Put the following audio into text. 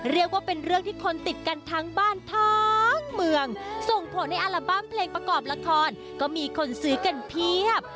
เรียกว่าเป็นเรื่องที่คนติดกันทั้งบ้านทั้งเมืองส่งผลในอัลบั้มเพลงประกอบละครก็มีคนซื้อกันเพียบ